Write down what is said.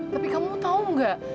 tapi kamu tau nggak